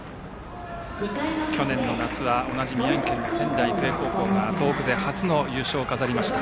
去年夏は同じ宮城県の仙台育英高校が東北勢初の優勝を飾りました。